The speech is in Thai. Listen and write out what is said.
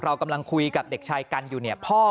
เรากำลังคุยกับเด็กชายกันอยู่เนี่ยพ่อ